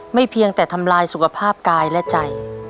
เพียงแต่ทำลายสุขภาพกายและใจ